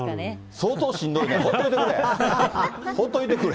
相当しんどいな、ほっといてくれ。